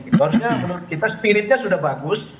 sebenarnya menurut kita spiritnya sudah bagus